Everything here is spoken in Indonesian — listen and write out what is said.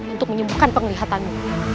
untuk menyembuhkan penglihatanmu